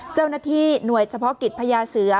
เจ้าหน้าที่หน่วยเฉพาะกิจพญาเสือ